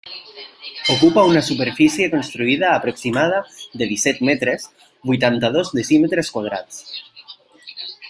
Ocupa una superfície construïda aproximada de disset metres, vuitanta-dos decímetres quadrats.